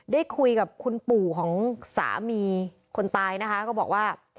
ได้คุยกับคุณปู่ของสามีคนตายนะคะก็บอกว่า